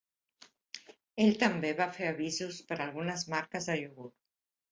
Ell també va fer avisos per algunes marques de iogurt.